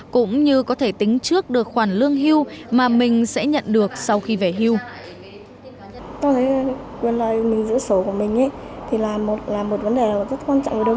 cũng như có thể tính trước được khoản lương hưu mà mình sẽ nhận được sau khi về hưu